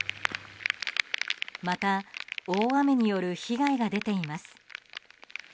また大雨による被害が出ています。